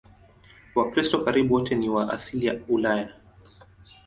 Wakristo karibu wote ni wa asili ya Ulaya.